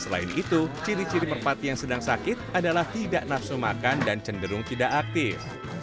selain itu ciri ciri merpati yang sedang sakit adalah tidak nafsu makan dan cenderung tidak aktif